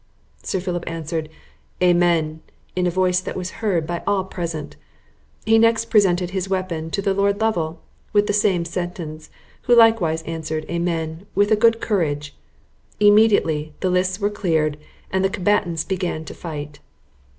Sir Philip answered, "Amen!" in a voice that was heard by all present. He next presented his weapon to Lord Lovel with the same sentence, who likewise answered "Amen!" with a good courage. Immediately the lists were cleared, and the combatants began to fight.